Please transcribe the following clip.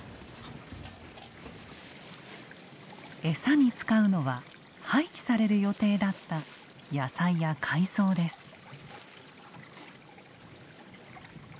エサに使うのは廃棄される予定だった野菜や海藻です。